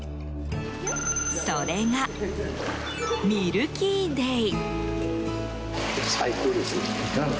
それが、ミルキーデイ。